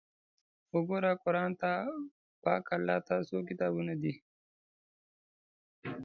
وګورئ قرآن ته، پاک الله ته، کتابونو ته!